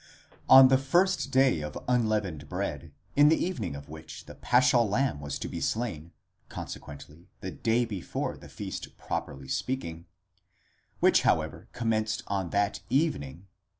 On the first day of unleavened bread, in the evening of which the paschal lamb was to be slain, consequently, the day before the feast properly speak ing, which however commenced on that evening, z.